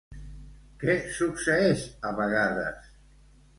Què succeeix a vegades?